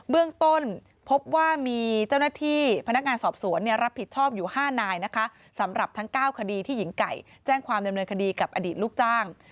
เบื้องต้นพบว่ามีเจ้าหน้าที่พนักงานสอบสวนรับผิดชอบอยู่๕นายนะคะสำหรับทั้ง๙คดีที่หญิงไก่แจ้งความดำเนินคดีกับอดีตลูกจ้าง